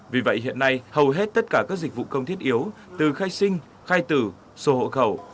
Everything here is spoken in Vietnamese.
vì vậy hiện nay hầu hết tất cả các dịch vụ công thiết yếu từ khai sinh khai tử số hộ khẩu